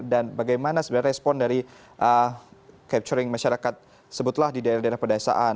dan bagaimana sebenarnya respon dari capturing masyarakat sebutlah di daerah daerah pedesaan